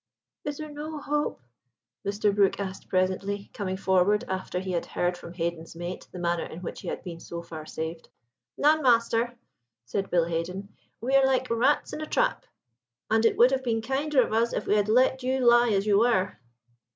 "Is there no hope?" Mr. Brook asked presently, coming forward after he had heard from Haden's mate the manner in which he had been so far saved. "None, master," said Bill Haden. "We are like rats in a trap; and it would have been kinder of us if we had let you lie as you were."